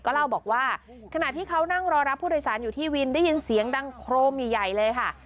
เล่าบอกว่าขณะที่เขานั่งรอรับผู้โดยสารอยู่ที่วินได้ยินเสียงดังโครมใหญ่เลยค่ะ